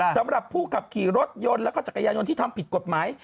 สำหรับผู้ขับขี่รถยนต์แล้วก็จักรยานยนต์ที่ทำผิดกฎหมาย